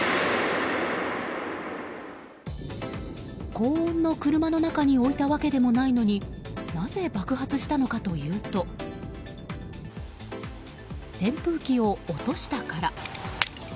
高温の車の中に置いたわけでもないのになぜ爆発したのかというと扇風機を落としたから。